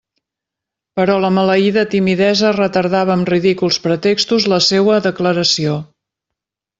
Però la maleïda timidesa retardava amb ridículs pretextos la seua declaració.